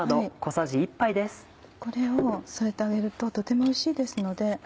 これを添えてあげるととてもおいしいですので。